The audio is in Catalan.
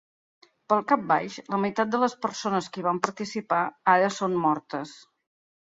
Pel cap baix, la meitat de les persones que hi van participar ara són mortes.